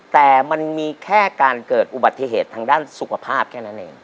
แต่มันมีแค่การเกิดอุบัติเหตุทางด้านสุขภาพแค่นั้นเอง